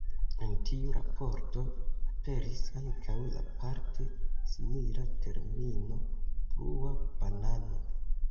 En tiu raporto aperis ankaŭ la parte simila termino Blua Banano.